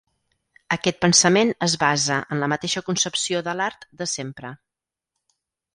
Aquest pensament es basa en la mateixa concepció de l'art de sempre.